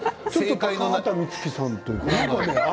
高畑充希さんというか。